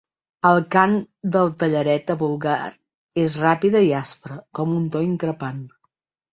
El cant del tallareta vulgar és ràpida i aspre, amb un to increpant.